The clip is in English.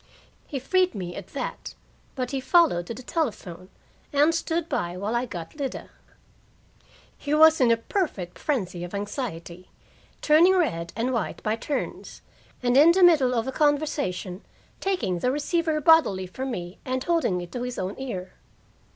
He freed me at that, but he followed to the telephone, and stood by while I got Lida. He was in a perfect frenzy of anxiety, turning red and white by turns, and in the middle of the conversation taking the receiver bodily from me and holding it to his own ear.